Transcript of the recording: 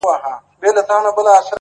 ما ويل څه به مي احوال واخلي!